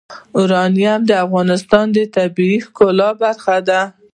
یورانیم د افغانستان د طبیعت د ښکلا برخه ده.